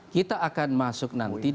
kita akan masuk nanti dalam penentuan